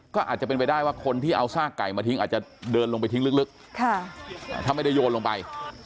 ก็อาจจะเป็นไปได้ว่าคนที่เอาซากไก่มาทิ้งอาจจะเดินลงไปทิ้งลึกถ้าไม่ได้โยนลงไป